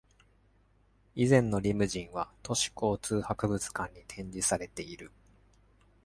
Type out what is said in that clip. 以前のリムジンは都市交通博物館に展示されている。